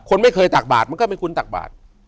คนไม่เคยตักบาทมันก็ไม่ควรตักบาท